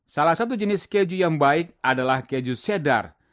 salah satu jenis keju yang baik adalah keju sedar